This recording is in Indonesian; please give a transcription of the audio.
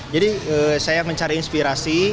jadi saya mencari inspirasi